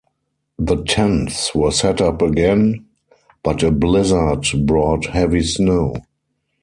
The tents were set up again, but a blizzard brought heavy snow.